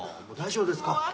大丈夫ですか？